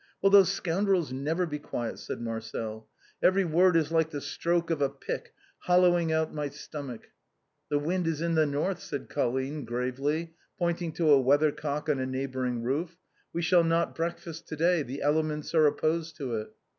"Will those scoundrels never be quiet?" said Marcel. " Every word is like the stroke of a pick, hollowing out my stomach." " The wind is in the north," said Colline, gravely, point ing to a weathercock on a neighboring roof. " We shall not breakfast to day, the elements are opposed to it."